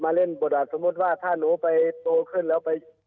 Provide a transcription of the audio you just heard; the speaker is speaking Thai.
อ๋อแสดงบทบาทสมมุติยังไง